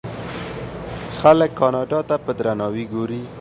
خلک کاناډا ته په درناوي ګوري.